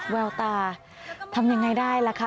แววตาทำยังไงได้ล่ะคะ